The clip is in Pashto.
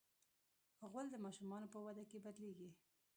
غول د ماشومانو په وده کې بدلېږي.